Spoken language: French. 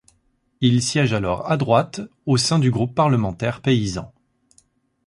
Il siège alors à droite, au sein du groupe parlementaire Paysan.